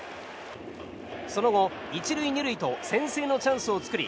その後、１塁２塁と先制のチャンスを作り